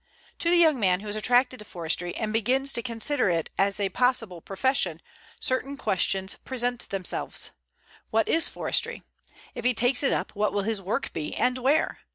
To the young man who is attracted to forestry and begins to consider it as a possible profession, certain questions present themselves. What is forestry? If he takes it up, what will his work be, and where?